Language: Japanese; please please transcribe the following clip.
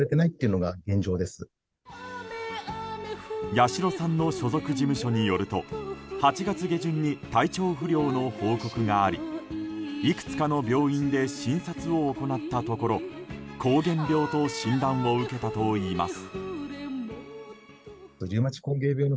八代さんの所属事務所によると８月下旬に体調不良の報告がありいくつかの病院で診察を行ったところ膠原病と診断を受けたといいます。